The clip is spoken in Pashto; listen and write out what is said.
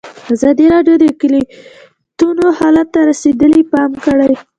ازادي راډیو د اقلیتونه حالت ته رسېدلي پام کړی.